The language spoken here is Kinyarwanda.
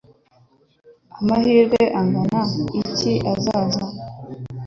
Amahirwe angana iki azaza?